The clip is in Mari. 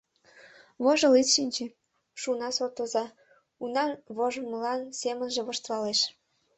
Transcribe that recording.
Вожыл ит шинче, — шуна суртоза, унан вожылмылан семынже воштылалеш.